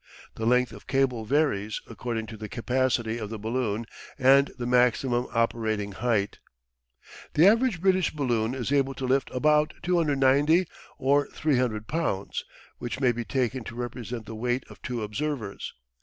The length of cable varies according to the capacity of the balloon and the maximum operating height. The average British balloon is able to lift about 290 or 300 pounds, which may be taken to represent the weight of two observers.